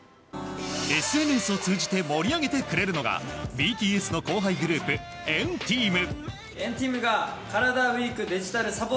ＳＮＳを通じて盛り上げてくれるのがＢＴＳの後輩グループ＆ＴＥＡＭ。